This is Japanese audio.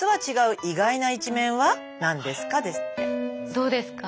どうですか？